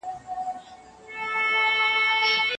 د نجلۍ راتلونکي پلانونه باید هېر نه سي.